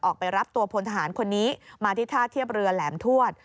ไปรับตัวพลทหารคนนี้มาที่ท่าเทียบเรือแหลมทวด